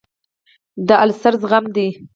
د السر زخم دی.